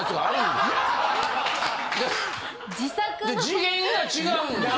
・次元が違うんで。